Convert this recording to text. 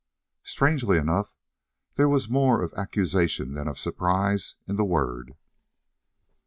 Strangely enough, there was more of accusation than of surprise in the word.